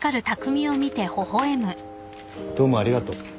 どうもありがとう。